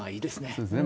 そうですね。